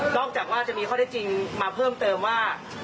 จากว่าจะมีข้อได้จริงมาเพิ่มเติมว่า